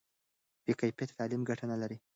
بې کیفیته تعلیم ګټه نه لري.